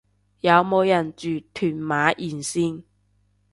有冇人住屯馬沿線